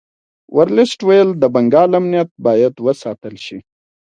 ورلسټ ویل د بنګال امنیت باید وساتل شي.